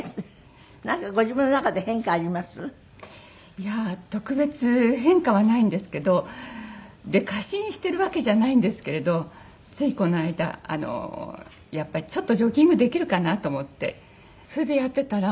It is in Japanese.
いやあ特別変化はないんですけど過信してるわけじゃないんですけれどついこの間ちょっとジョギングできるかなと思ってそれでやってたら。